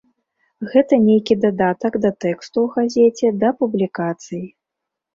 Гэта нейкі дадатак да тэксту ў газеце, да публікацый.